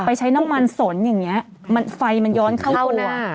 ไปใช้น้ำมันสนอย่างเงี้ยมันไฟมันย้อนเข้าตัวเข้าหน้า